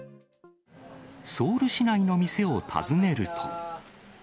ソウル市内の店を訪ねると。